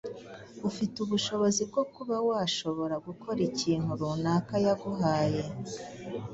ufite ubushobozi bwo kuba washobora gukora ikintu runaka yaguhaye.